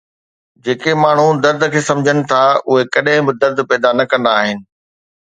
جيڪي ماڻهو درد کي سمجهن ٿا اهي ڪڏهن به درد پيدا نه ڪندا آهن